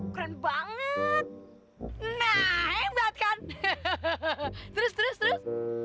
keren banget nah hebat kan terus terus terus